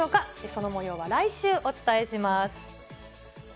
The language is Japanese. そのもようは来週お伝えします。